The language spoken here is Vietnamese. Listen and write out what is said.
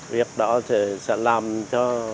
việc đó sẽ làm cho